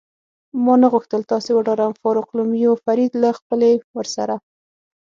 ما نه غوښتل تاسې وډاروم، فاروقلومیو فرید له خپلې ورسره.